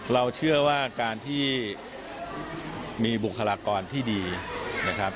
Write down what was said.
เราเชื่อว่าการที่มีบุคลากรที่ดีนะครับ